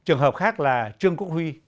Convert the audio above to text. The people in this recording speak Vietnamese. trường hợp khác là trương quốc huy